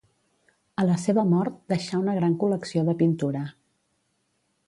A la seva mort deixà una gran col·lecció de pintura.